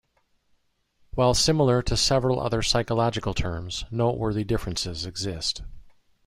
While similar to several other psychological terms, noteworthy differences exist.